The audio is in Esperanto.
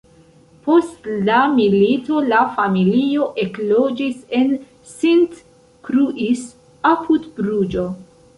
Post la milito la familio ekloĝis en Sint-Kruis, apud Bruĝo.